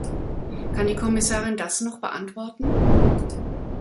Kann die Kommissarin das noch beantworten?